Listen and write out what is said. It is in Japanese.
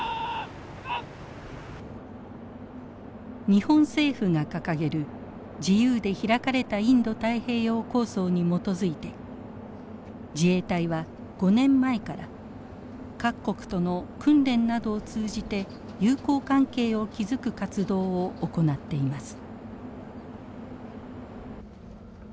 日本政府が掲げる「自由で開かれたインド太平洋」構想に基づいて自衛隊は５年前から各国との訓練などを通じて友好関係を築く活動を行っています。